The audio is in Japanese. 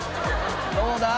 どうだ？